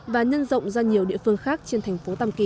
và nhân rộng ra nhiều địa phương khác trên thành phố tam kỳ